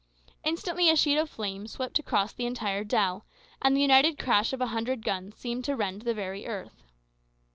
Instantly a sheet of flame swept across the entire dell, and the united crash of a hundred guns seemed to rend the very earth.